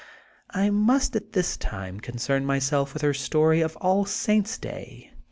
I must at this time concern myself with her story of All Saints ' Day, 2018.